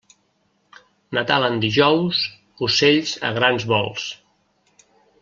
Nadal en dijous, ocells a grans vols.